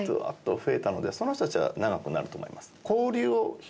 増えたのでその人たちは長くなると思います。